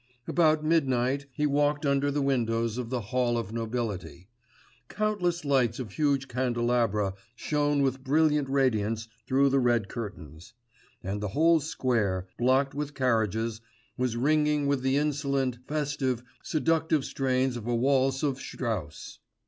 About midnight he walked under the windows of the Hall of Nobility. Countless lights of huge candelabra shone with brilliant radiance through the red curtains; and the whole square, blocked with carriages, was ringing with the insolent, festive, seductive strains of a waltz of Strauss'.